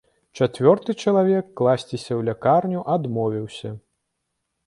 Чацвёрты чалавек класціся ў лякарню адмовіўся.